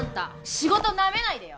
仕事なめないでよ。